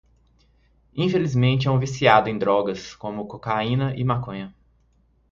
Infelizmente é um viciado em drogas como cocaína e maconha